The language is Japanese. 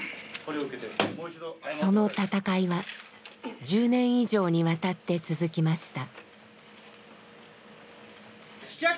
その闘いは１０年以上にわたって続きました。